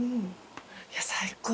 いや最高。